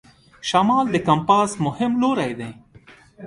شمال د کمپاس مهم لوری دی.